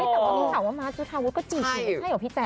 แต่วันนี้เขาว่ามาร์ทจุธาวุธก็จีบใช่หรอพี่แจ๊ก